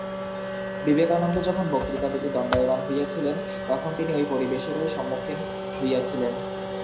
বিবেকানন্দ যখন বক্তৃতা দিতে দণ্ডায়মান হইয়াছিলেন, তখন তিনি ঐ পরিবেশেরই সম্মুখীন হইয়াছিলেন।